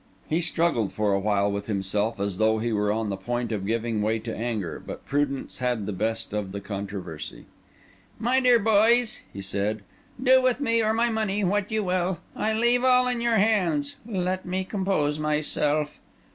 He struggled for a while with himself, as though he were on the point of giving way to anger, but prudence had the best of the controversy. "My dear boys," he said, "do with me or my money what you will. I leave all in your hands. Let me compose myself."